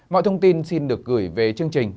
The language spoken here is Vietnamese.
mọi thông tin xin được gửi về chương trình